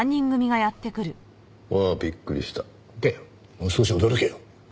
もう少し驚けよ。